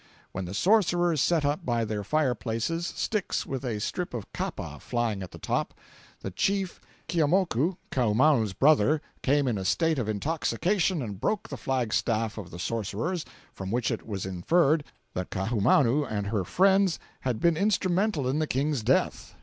When the sorcerers set up by their fire places stick with a strip of kapa flying at the top, the chief Keeaumoku, Kaahumaun's brother, came in a state of intoxication and broke the flag staff of the sorcerers, from which it was inferred that Kaahumanu and her friends had been instrumental in the King's death.